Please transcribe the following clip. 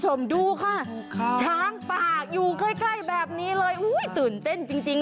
ชมดูข้างกากอยู่ใกล้แบบนี้เลยเห้ยตื่นเต้นจริง